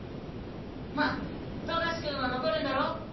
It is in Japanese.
まっ冨樫君は残るんだろ？